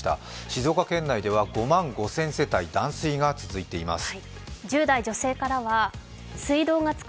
静岡県内では５万５０００世帯、断水が続いています。